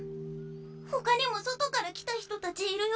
他にも外から来た人たちいるよ。